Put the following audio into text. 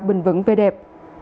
bình vẩn về đẹp